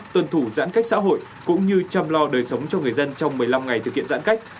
tuân thủ giãn cách xã hội cũng như chăm lo đời sống cho người dân trong một mươi năm ngày thực hiện giãn cách